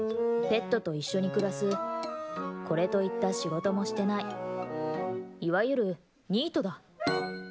ペットと一緒に暮らすこれといった仕事もしてないいわゆるニートだ。